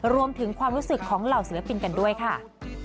รวมถึงความรู้สึกของเหล่าศิลปินกันด้วยค่ะ